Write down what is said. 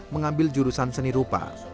mengambil jurusan seni rupa